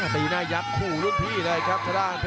เทียบหน้ายักษ์ครูลูกที่บ้วกับเจอ